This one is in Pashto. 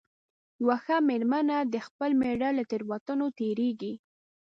یوه ښه مېرمنه د خپل مېړه له تېروتنو تېرېږي.